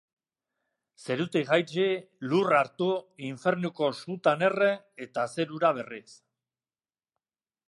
Zerutik jaitsi, lur hartu, infernuko sutan erre eta zerura berriz.